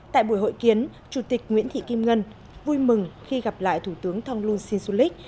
tại buổi hội kiến chủ tịch nguyễn thị kim ngân vui mừng khi gặp lại thủ tướng thonglun sinsulit